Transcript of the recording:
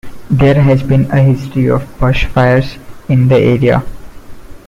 There has been a history of bushfires in the area.